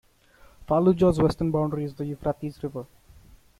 Fallujah's western boundary is the Euphrates River.